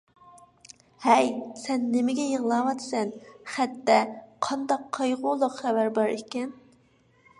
ھەي، سەن نېمىگە يىغلاۋاتىسەن؟ خەتتە قانداق قايغۇلۇق خەۋەر بار ئىكەن؟